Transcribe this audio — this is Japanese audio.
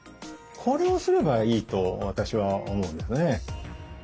これをすればいいと私は思うんですね。